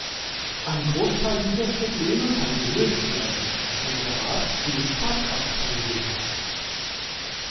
Ein Großteil dieser Probleme kann gelöst werden, wenn der Rat sie mit Tatkraft angeht.